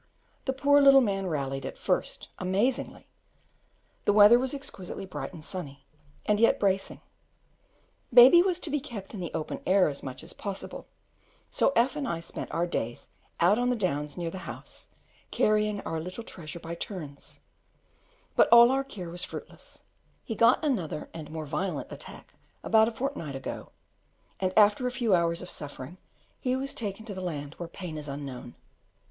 The poor little man rallied at first amazingly; the weather was exquisitely bright and sunny, and yet bracing. Baby was to be kept in the open air as much as possible, so F and I spent our days out on the downs near the house, carrying our little treasure by turns: but all our care was fruitless: he got another and more violent attack about a fortnight ago, and after a few hours of suffering he was taken to the land where pain is unknown.